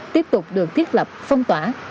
tiếp tục được thiết lập phong tỏa